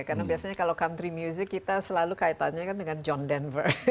karena biasanya kalau country music kita selalu kaitannya kan dengan john denver